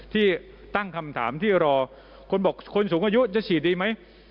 ที่ตั้งคำถามที่รอคนบอกคนสูงอายุจะฉีดดีไหม